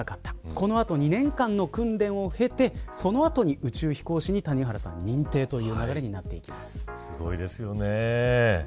この後、２年間の訓練を経てその後に宇宙飛行士に認定すごいですよね。